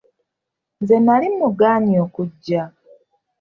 Nze nali mugaanyi okujja.